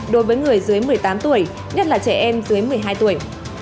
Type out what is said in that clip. đối với người dưới một mươi tám tuổi nhất là trẻ em dưới một mươi hai tuổi